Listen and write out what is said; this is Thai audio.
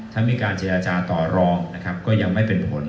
ทั้งมีการเจรจาต่อรองก็ยังไม่เป็นผล